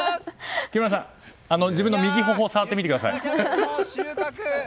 木村さん、自分の右頬を触ってみてください。